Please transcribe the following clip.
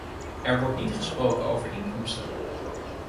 Er wordt niet gesproken over inkomsten.